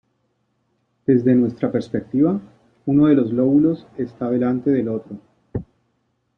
Desde nuestra perspectiva, uno de los lóbulos está delante del otro.